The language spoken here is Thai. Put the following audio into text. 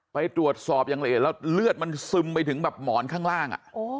ไปตรวจสอบอย่างละเอียดแล้วเลือดมันซึมไปถึงแบบหมอนข้างล่าง